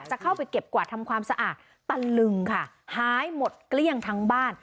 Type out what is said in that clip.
เข้าไปเก็บกวาดทำความสะอาดตะลึงค่ะหายหมดเกลี้ยงทั้งบ้าน